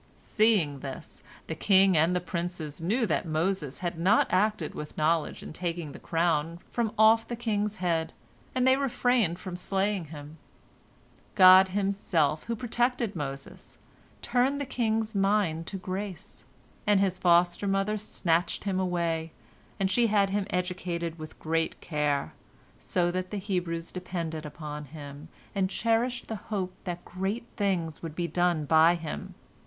Seeing this, the king and the princes knew that Moses had not acted with knowledge in taking the crown from off the king's head, and they refrained from slaying him. God Himself, who protected Moses, turned the king's mind to grace, and his foster mother snatched him away, and she had him educated with great care, so that the Hebrews depended upon him, and cherished the hope that great things would be done by him.